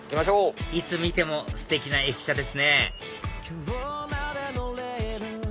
いつ見てもステキな駅舎ですね